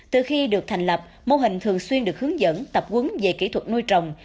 từ khi được thành lập mô hình thường xuyên được hướng dẫn tập quấn về kỹ thuật nuôi trồng